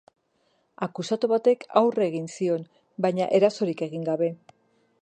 Akusatu batek aurre egin zion, baina erasorik egin gabe.